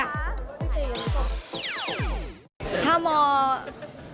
เธอเองก็มีความสุขดีค่ะ